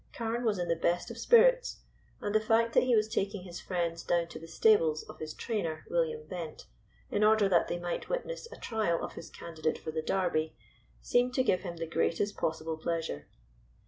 Carne was in the best of spirits, and the fact that he was taking his friends down to the stables of his trainer, William Bent, in order that they might witness a trial of his candidate for the Derby, seemed to give him the greatest possible pleasure.